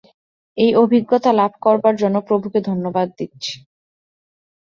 এই অভিজ্ঞতা লাভ করবার জন্য প্রভুকে ধন্যবাদ দিচ্ছি।